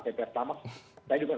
saya juga kadang kadang nyipir gitu loh